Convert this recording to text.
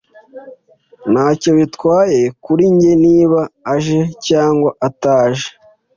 Ntacyo bitwaye kuri njye niba aje cyangwa ataje.